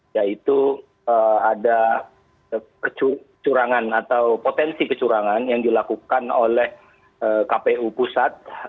yaitu ada kecurangan atau potensi kecurangan yang dilakukan oleh kpu pusat